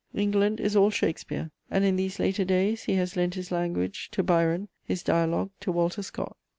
England is all Shakespeare, and in these later days he has lent his language to Byron, his dialogue to Walter Scott.